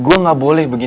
gue pengen mau pergi main